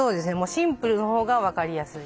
シンプルのほうが分かりやすい。